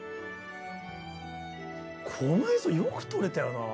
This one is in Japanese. この映像よく撮れたよな。